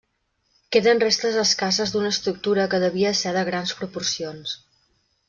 Queden restes escasses d'una estructura que devia ser de grans proporcions.